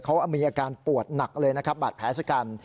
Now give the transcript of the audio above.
เขามีอาการปวดหนักเลยนะครับบาดแผลชะกัน